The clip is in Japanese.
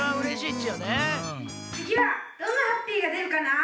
つぎはどんなハッピーがでるかな？